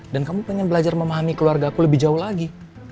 dan kamu pengen belajar memahami keluarga aku lebih jauh lagi